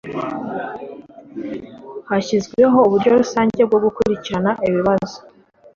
hashyizweho uburyo rusange bwo gukurikirana ibibazo